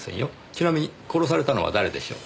ちなみに殺されたのは誰でしょう？